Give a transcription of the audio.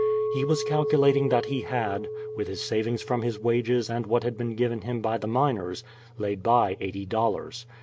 He was calculating that he had, with his savings from his wages and what had been given him by the miners, laid by eighty dollars.